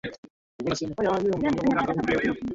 Wale wote walikuwa kujikaza